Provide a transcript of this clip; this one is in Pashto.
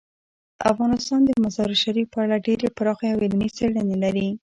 افغانستان د مزارشریف په اړه ډیرې پراخې او علمي څېړنې لري.